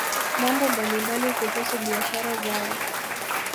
mambo mbalimbali kuhusu biashara zao